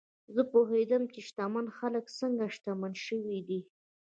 زه پوهېدم چې شتمن خلک څنګه شتمن شوي دي.